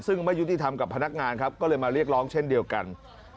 ซึ่งไม่ยุติธรรมกับพนักงานครับก็เลยมาเรียกร้องเช่นเดียวกัน